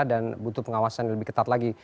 dan butuh pengawasan lebih ketat lagi